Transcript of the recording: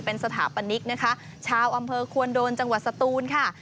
เป็นสถาปนิกนะคะชาวอำเภอควนโดนจังหวัดสตูนค่ะ